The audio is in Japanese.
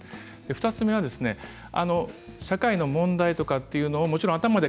２つ目は社会の問題とかというものはもちろん課題まで